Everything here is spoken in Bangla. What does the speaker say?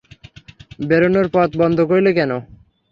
বেরোনোর পথ বন্ধ করলে কেন?